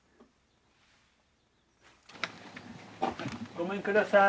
ごめんください。